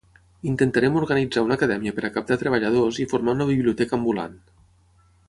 Intentaren organitzar una acadèmia per a captar treballadors i formar una biblioteca ambulant.